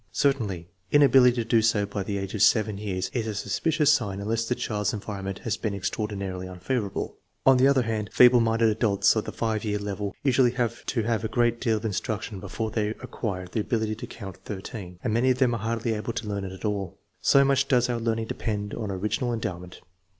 Certainly, inability to do so by the age of 7 years is a suspicious sign unless the child's environment has been extraordinarily unfavorable. On the other hand, feeble minded adults of the 5 year level usually have to have a great deal of instruction before they acquire the ability to count 13, and many of them are hardly able to learn it at all. So much does our learning depend on original endowment.